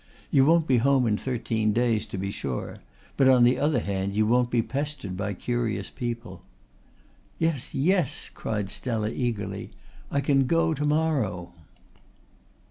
You won't be home in thirteen days to be sure, but on the other hand you won't be pestered by curious people." "Yes, yes," cried Stella eagerly. "I can go to morrow."